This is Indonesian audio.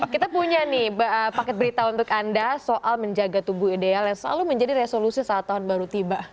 kita punya nih paket berita untuk anda soal menjaga tubuh ideal yang selalu menjadi resolusi saat tahun baru tiba